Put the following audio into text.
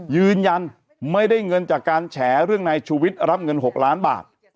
ยืนยันไม่ได้เงินจากการแฉเรื่องนายชูวิทย์รับเงิน๖ล้านบาท